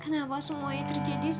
kenapa semuanya terjadi secepat ini